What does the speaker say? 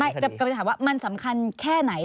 ไม่จะถามว่ามันสำคัญแค่ไหน